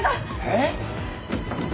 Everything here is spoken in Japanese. えっ？